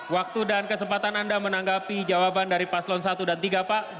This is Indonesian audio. waktu dan kesempatan anda menanggapi jawaban dari paslon satu dan tiga pak